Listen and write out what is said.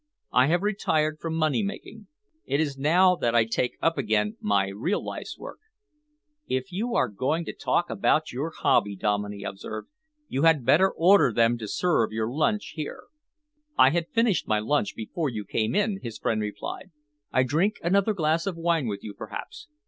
I have retired from money making. It is now that I take up again my real life's work." "If you are going to talk about your hobby," Dominey observed, "you had better order them to serve your lunch here." "I had finished my lunch before you came in," his friend replied. "I drink another glass of wine with you, perhaps.